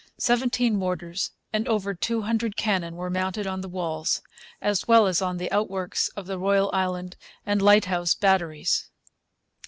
Seventeen mortars and over two hundred cannon were mounted on the walls, as well as on the outworks at the Royal, Island, and Lighthouse Batteries.